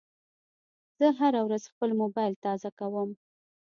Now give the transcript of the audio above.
زه هره ورځ خپل موبایل تازه کوم.